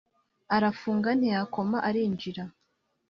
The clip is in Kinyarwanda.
arafunga ntiyakoma arinjira